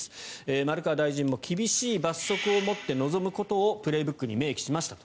丸川大臣も厳しい罰則を持って臨むことを「プレーブック」に明記しましたと。